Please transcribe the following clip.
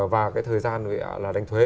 và thời gian đánh thuế